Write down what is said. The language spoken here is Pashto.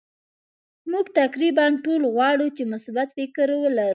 مونږ تقریبا ټول غواړو چې مثبت فکر ولرو.